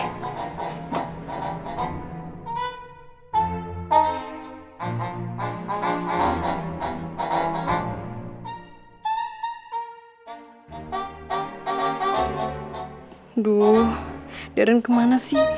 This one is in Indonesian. aduh deren kemana sih